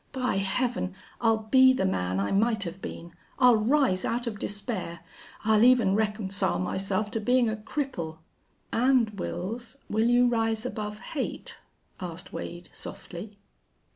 "By Heaven! I'll be the man I might have been. I'll rise out of despair. I'll even reconcile myself to being a cripple." "An', Wils, will you rise above hate?" asked Wade, softly.